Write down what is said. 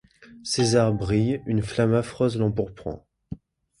César brille, une flamme affreuse l'empourprant.